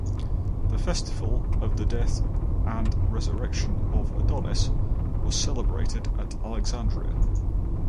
The festival of the death and resurrection of Adonis was celebrated at Alexandria.